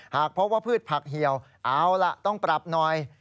หากพบว่าพืชผักเหี่ยวเอาล่ะต้องปรับหน่อย